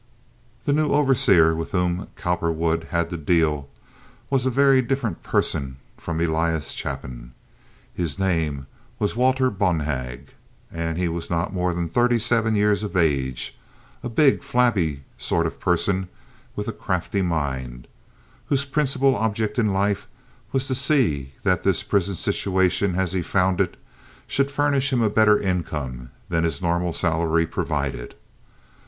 The new overseer with whom Cowperwood had to deal was a very different person from Elias Chapin. His name was Walter Bonhag, and he was not more than thirty seven years of age—a big, flabby sort of person with a crafty mind, whose principal object in life was to see that this prison situation as he found it should furnish him a better income than his normal salary provided.